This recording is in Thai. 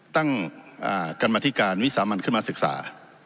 ตั้งกรรมธิการวิสามันขึ้นมาศึกษา